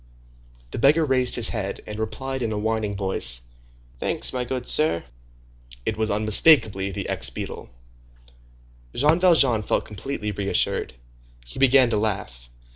The beggar raised his head, and replied in a whining voice, "Thanks, my good sir." It was unmistakably the ex beadle. Jean Valjean felt completely reassured. He began to laugh.